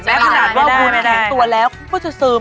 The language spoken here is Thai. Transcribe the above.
และขนาดว่าคุณแข็งตัวแล้วก็จะซึม